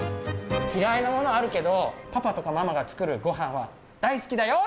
嫌いなものあるけどパパとかママが作るごはんは大好きだよっていう人？